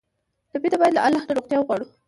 ټپي ته باید له الله نه روغتیا وغواړو.